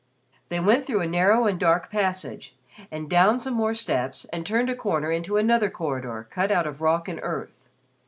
They went through a narrow and dark passage, and down some more steps, and turned a corner into another corridor cut out of rock and earth.